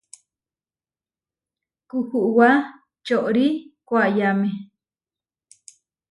Kuhuwá čorí koayáme.